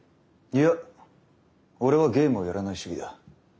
いや俺はゲームはやらない主義だ。